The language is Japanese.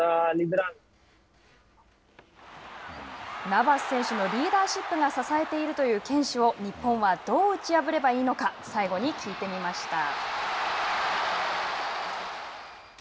ナバス選手のリーダーシップが支えてるという堅守を日本はどう打ち破ればいいのか最後に聞いてみました。